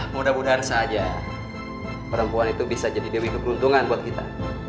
mudah mudahan saja perempuan itu bisa jadi dewi keberuntungan buat kita